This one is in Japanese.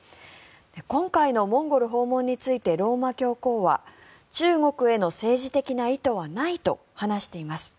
今回のモンゴル訪問についてローマ教皇は中国への政治的な意図はないと話しています。